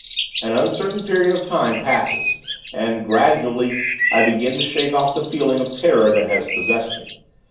An uncertain period of time passes, and, gradually, I begin to shake off the feeling of terror, that has possessed me.